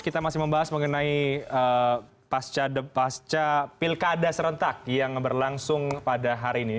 kita masih membahas mengenai pasca pilkada serentak yang berlangsung pada hari ini